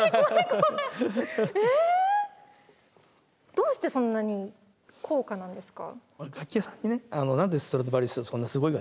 どうしてそんなに高価なんですか？